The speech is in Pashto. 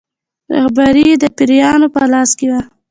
رهبري یې د پیرانو په لاس کې وه.